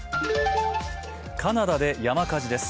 カナダで山火事です。